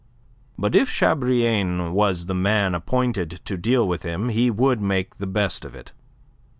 But if Chabrillane was the man appointed to deal with him, he would make the best of it.